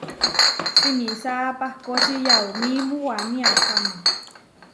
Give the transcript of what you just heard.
Simisá pahkóči yaumímu waní aháma.